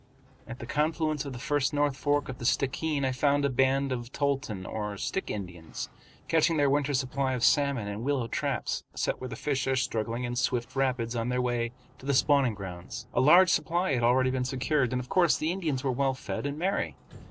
At the confluence of the first North Fork of the Stickeen I found a band of Toltan or Stick Indians catching their winter supply of salmon in willow traps, set where the fish are struggling in swift rapids on their way to the spawning grounds. A large supply had already been secured, and of course the Indians were well fed and merry.